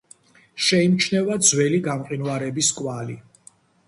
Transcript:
შეიმჩნევა ძველი გამყინვარების კვალი.